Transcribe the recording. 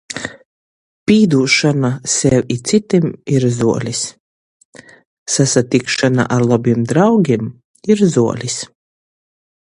Pīdūšona sev i cytim ir zuolis. Sasatikšona ar lobim draugim ir zuolis.